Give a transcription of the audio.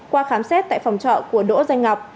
qua khám xét tại phòng trọ của đỗ danh ngọc